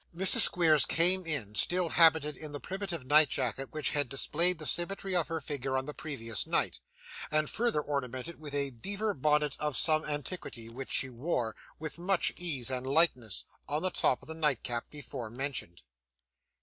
Mrs. Squeers came in, still habited in the primitive night jacket which had displayed the symmetry of her figure on the previous night, and further ornamented with a beaver bonnet of some antiquity, which she wore, with much ease and lightness, on the top of the nightcap before mentioned.